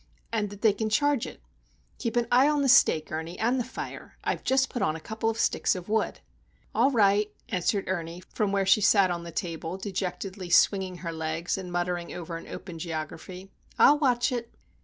and that they can charge it. Keep an eye on the steak, Ernie, and the fire. I've just put on a couple of sticks of wood." "All right," answered Ernie, from where she sat on the table, dejectedly swinging her legs and muttering over an open Geography. "I'll watch it."